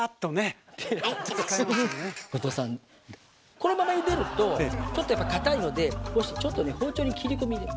このままゆでるとちょっとやっぱかたいのでこうしてちょっとね包丁に切り込み入れる。